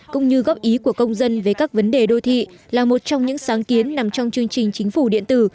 cũng như góp ý của công dân về các vấn đề đô thị là một trong những sáng kiến nằm trong chương trình chính phủ điện tử